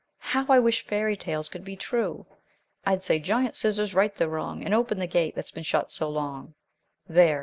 How I wish fairy tales could be true! I'd say 'Giant scissors, right the wrong and open the gate that's been shut so long,' There!